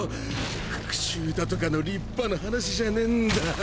復讐だとかの立派な話じゃねぇんだ。